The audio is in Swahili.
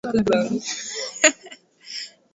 kupitia mtandao na kuzua maandamano makubwa ya kitaifa